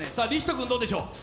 君どうでしょう？